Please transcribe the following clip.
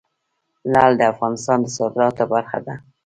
لعل د افغانستان د صادراتو برخه ده.